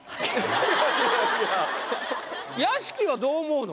屋敷はどう思うの？